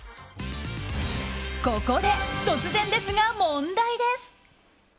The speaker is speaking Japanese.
ここで、突然ですが問題です。